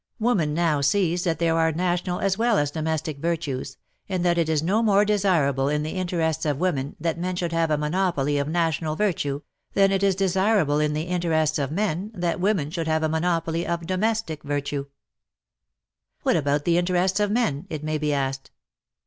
Woman now sees that there are national as well as domestic virtues, and that it is no more desirable in the interests of women that men should have a monopoly of national virtue, than it is desirable in the interests of men that women should have a monopoly of domestic virtue. But what about the interests of men, it may be asked